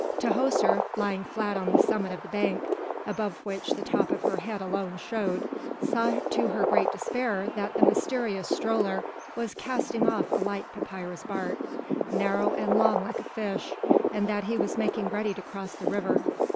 Tahoser, lying flat on the summit of the bank, above which the top of her head alone showed, saw to her great despair that the mysterious stroller was casting off a light papyrus bark, narrow and long like a fish, and that he was making ready to cross the river.